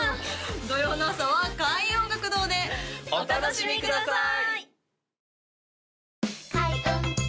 土曜の朝は開運音楽堂でお楽しみください！